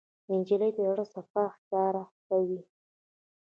نجلۍ د زړه صفا ښکاره کوي.